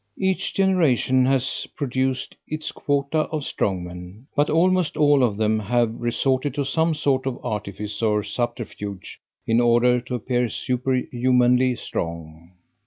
Each generation has produced its quota of strongmen, but almost all of them have resorted to some sort of artifice or subterfuge in order to appear superhumanly strong.